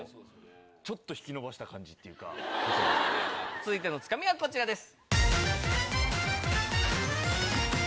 続いてのツカミはこちらです。